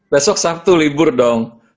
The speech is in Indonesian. besok sabtu libur dong